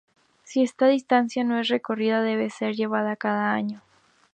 Si esta distancia no es recorrida debe ser llevada cada año.